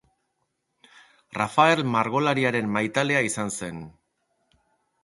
Rafael margolariaren maitalea izan zen.